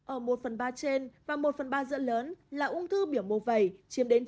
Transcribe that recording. ở một phần ba trên và một phần ba giữa lớn là ông thư biểu mô vẩy chiếm đến chín mươi